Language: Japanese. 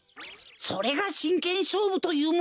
それがしんけんしょうぶというもの。